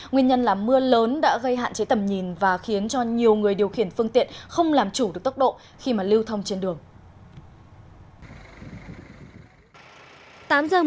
nguyên nhân là mưa lớn đã gây hạn chế tầm nhìn và khiến cho nhiều người điều khiển phương tiện không làm chủ được tốc độ khi mà lưu thông trên đường